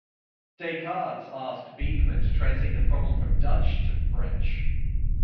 Descartes asked Beeckman to translate the problem from Dutch to French.